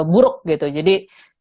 buruk gitu jadi